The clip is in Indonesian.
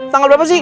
tanggal berapa sih